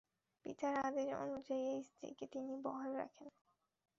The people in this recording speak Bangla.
পিতার আদেশ অনুযায়ী এই স্ত্রীকে তিনি বহাল রাখেন।